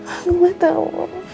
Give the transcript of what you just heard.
aku gak tahu